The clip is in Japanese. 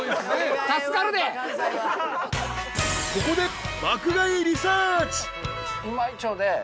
［ここで］